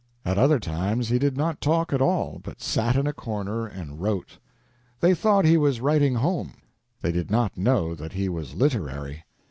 At other times he did not talk at all, but sat in a corner and wrote. They thought he was writing home; they did not know that he was "literary."